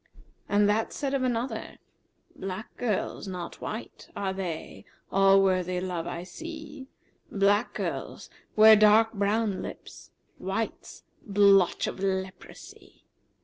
And that said of another, 'Black[FN#363] girls, not white, are they * All worthy love I see: Black girls wear dark brown lips;[FN#364] * Whites, blotch of leprosy.'